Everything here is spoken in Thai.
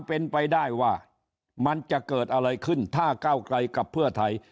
เป็นไปได้ว่ามันจะเกิดอะไรขึ้นถ้าก้าวไกลกับเพื่อไทย